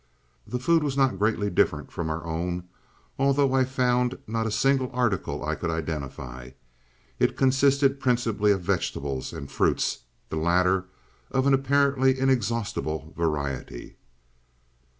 "The food was not greatly different from our own, although I found not a single article I could identify. It consisted principally of vegetables and fruits, the latter of an apparently inexhaustible variety.